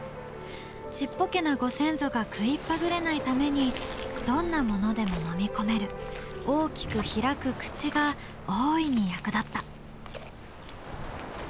ちっぽけなご先祖が食いっぱぐれないためにどんなものでも飲み込める大きく開く口が大いに役立った。